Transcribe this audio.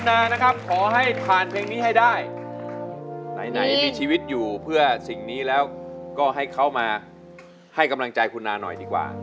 ในไหนมีชีวิตอยู่เพื่อสิ่งนี้แล้วก็ให้เขามาให้กำลังใจคุณนาหน่อยดีกว่า